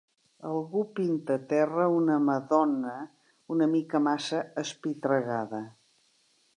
Algú pinta a terra una Madonna una mica massa espitregada.